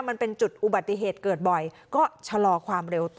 มันเป็นจุดอุบัติเหตุเกิดบ่อยก็ชะลอความเร็วต่อ